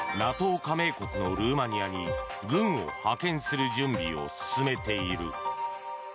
加盟国のルーマニアに軍を派遣する準備を進めている。